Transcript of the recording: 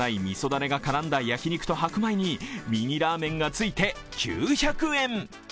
だれが絡んだ焼き肉と白米に、ミニラーメンがついて９００円。